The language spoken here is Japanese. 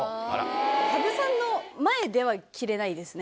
土生さんの前では着れないですね